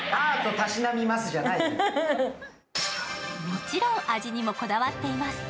もちろん味にもこだわっています。